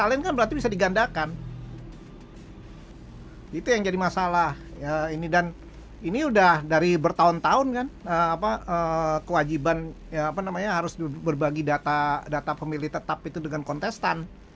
ini sudah bertahun tahun kewajiban harus berbagi data pemilih tetap itu dengan kontestan